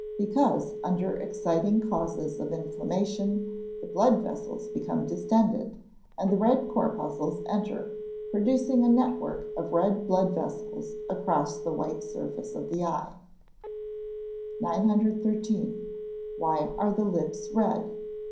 _ Because, under exciting causes of inflammation, the blood vessels become distended, and the red corpuscles enter, producing a net work of red blood vessels across the white surface of the eye. 913. _Why are the lips red?